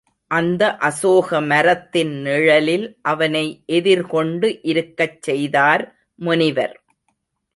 அந்த அசோக மரத்தின் நிழலில் அவனை எதிர் கொண்டு இருக்கச் செய்தார் முனிவர்.